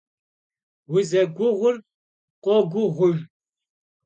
Vuzeguğur khoguğujj.